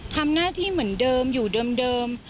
ทำหน้าที่เหมือนเดิมอยู่เดิม